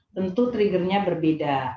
tentu trigger nya berbeda